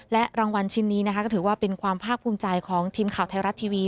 และรางวัลชิ้นนี้นะคะก็ถือว่าเป็นความภาคภูมิใจของทีมข่าวไทยรัฐทีวี